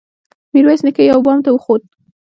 ميرويس نيکه يوه بام ته وخوت.